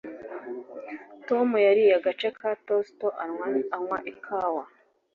Tom yariye agace ka toast anywa ikawa.